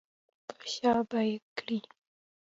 په شا به یې کړې.